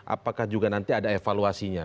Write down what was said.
apakah juga nanti ada evaluasinya